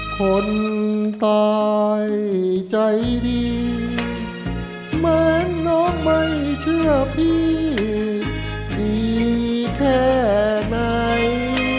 คนตายใจดีเหมือนน้องไม่เชื่อพี่ดีแค่ไหน